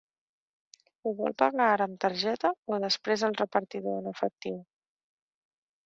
Ho vol pagar ara amb targeta o després al repartidor en efectiu?